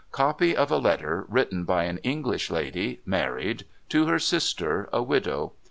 ' Copy of a letter, written by an English lady (married) to her sister, a widow.